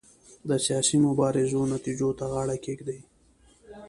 د سیاسي مبارزو نتیجو ته غاړه کېږدي.